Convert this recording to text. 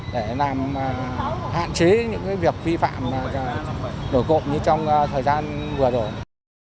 để làm hạn chế những việc vi phạm nổi cộng như trong thời gian vừa rồi